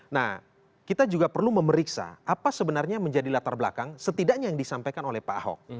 nah kita juga perlu memeriksa apa sebenarnya menjadi latar belakang setidaknya yang disampaikan oleh pak ahok